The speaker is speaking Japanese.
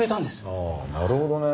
ああなるほどね。